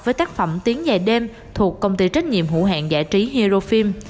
với tác phẩm tiếng dài đêm thuộc công ty trách nhiệm hữu hạn giải trí hero film